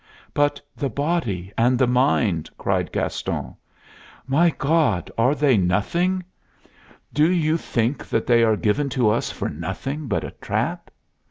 "But the body and the mind!" cried Gaston. "My God, are they nothing? Do you think that they are given to us for nothing but a trap?